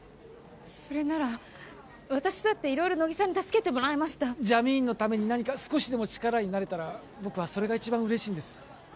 それなら私だって色々乃木さんに助けてもらいましたジャミーンのために何か少しでも力になれたら僕はそれが一番嬉しいんです